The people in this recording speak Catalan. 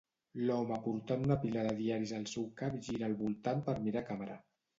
L'home portant una pila de diaris al seu cap gira al voltant per mirar càmera